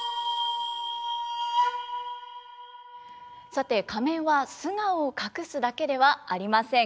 さて仮面は素顔を隠すだけではありません。